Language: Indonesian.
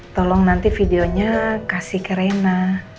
tolong nanti videonya kasih ke rena